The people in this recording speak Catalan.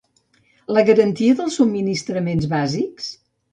La garantia dels subministraments bàsics?